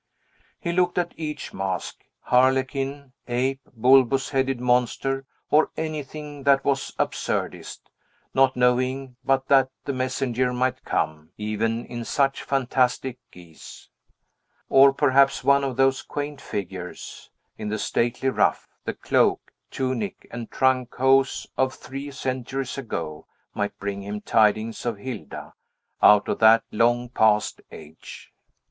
He looked at each mask, harlequin, ape, bulbous headed monster, or anything that was absurdest, not knowing but that the messenger might come, even in such fantastic guise. Or perhaps one of those quaint figures, in the stately ruff, the cloak, tunic, and trunk hose of three centuries ago, might bring him tidings of Hilda, out of that long past age.